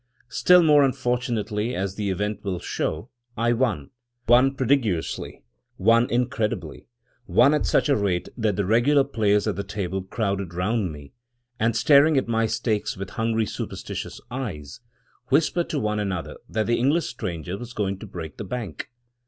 Still more unfortunately, as the event will show, I won — won prodigiously; won incredibly; won at such a rate that the regular players at the table crowded round me; and staring at my stakes with hungry, superstitious eyes, whispered to one another that the English stranger was going to break the bank.